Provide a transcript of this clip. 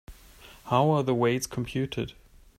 How are the weights computed?